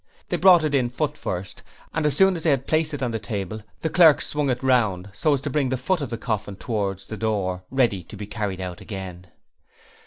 They brought it in footfirst, and as soon as they had placed it upon the table, the clerk swung it round so as to bring the foot of the coffin towards the door ready to be carried out again.